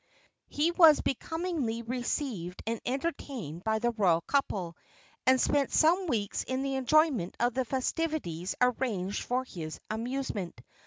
He was becomingly received and entertained by the royal couple, and spent some weeks in the enjoyment of the festivities arranged for his amusement.